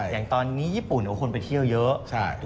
อย่างตอนนี้ญี่ปุ่นคนไปเที่ยวเยอะ